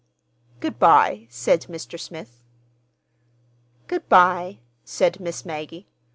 "Good bye," said Mr. Smith. "Good bye," said Miss Maggie.